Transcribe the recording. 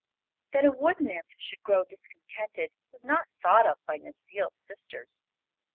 That a wood nymph should grow discontented was not thought of by Necile's sisters.